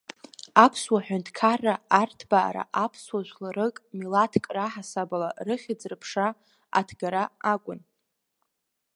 Аԥсуа Ҳәынҭқарра арҭбаара, аԥсуаа жәларык, милаҭк раҳасабала рыхьӡ-рыԥша аҭгара акәын.